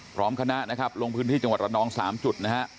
พร้อมคณะลงพื้นที่จังหวัดระนอง๓จุดนะครับ